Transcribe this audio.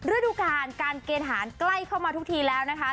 เวลาการเกณฑ์กล้ายมาทุกทีแล้วนะคะ